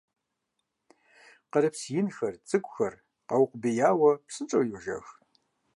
Къырыпс инхэр, цӀыкӀухэр къэукъубияуэ, псынщӀэу йожэх.